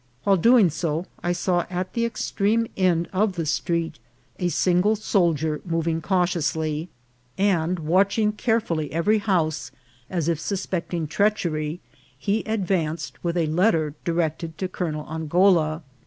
While doing so I saw at the extreme end of the street a single soldier moving cautiously ; and watching carefully every house, as if suspecting treach ery, he advanced with a letter directed to Colonel An goula.